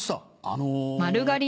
あの。